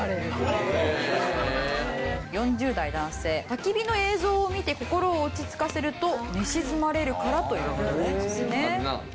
たき火の映像を見て心を落ち着かせると寝静まれるからという事ですね。